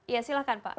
ya silahkan pak